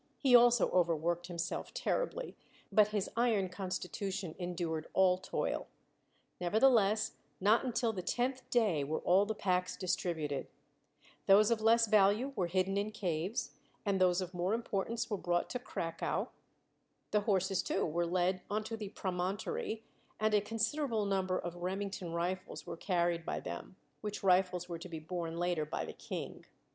He also overworked himself terribly, but his iron constitution endured all toil. Nevertheless, not until the tenth day were all the packs distributed; those of less value were hidden in caves, and those of more importance were brought to "Cracow"; the horses, too, were led onto the promontory and a considerable number of Remington rifles were carried by them, which rifles were to be borne later by the King.